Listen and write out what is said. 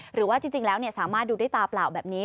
หรือว่าจริงแล้วสามารถดูด้วยตาเปล่าแบบนี้